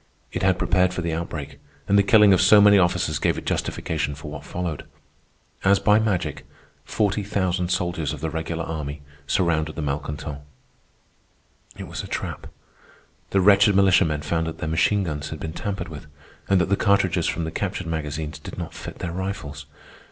It had prepared for the outbreak, and the killing of so many officers gave it justification for what followed. As by magic, forty thousand soldiers of the regular army surrounded the malcontents. It was a trap. The wretched militiamen found that their machine guns had been tampered with, and that the cartridges from the captured magazines did not fit their rifles.